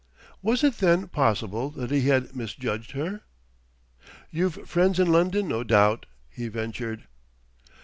Was it, then, possible that he had misjudged her? "You've friends in London, no doubt?" he ventured.